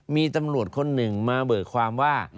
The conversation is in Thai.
มีตำรวจคนหนึ่งมาเบิกความว่า